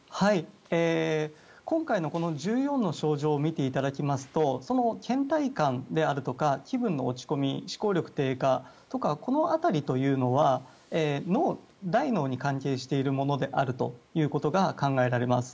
今回の１４の症状を見ていただきますとけん怠感であるとか気分の落ち込み思考力の低下というこの辺りというのは脳、大脳に関係しているものということが考えられます。